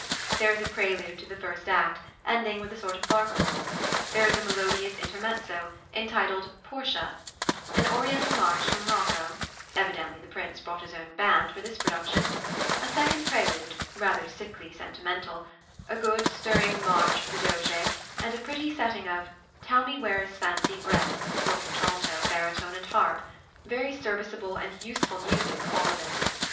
There is a prelude to the first act, ending with a sort of barcarolle; then a melodious intermezzo, entitled "Portia"; an Oriental march for Morocco (evidently the Prince brought his own band for this production); a second prelude, rather sickly sentimental; a good stirring march for the Doge; and a pretty setting of "Tell me where is fancy bred" for contralto, baritone, and harp very serviceable and useful music all of it.